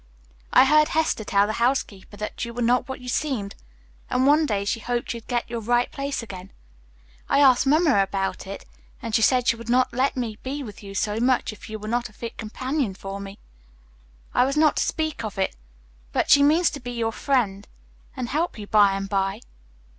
"I heard Hester tell the housekeeper that you were not what you seemed, and one day she hoped you'd get your right place again. I asked Mamma about it, and she said she would not let me be with you so much if you were not a fit companion for me. I was not to speak of it, but she means to be your friend and help you by and by."